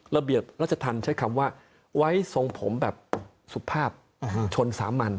ระเบียบรัชธรรมใช้คำว่าไว้ทรงผมแบบสุภาพชนสามัญ